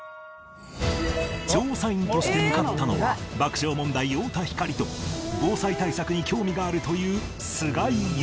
調査員として向かったのは爆笑問題太田光と防災対策に興味があるという菅井友香